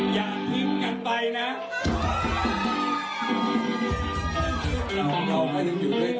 อย่าพลิกกันไปนะ